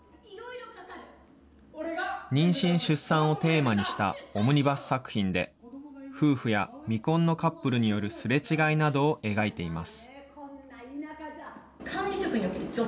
妊娠・出産をテーマにしたオムニバス作品で、夫婦や未婚のカップルによるすれ違いなどを描いています。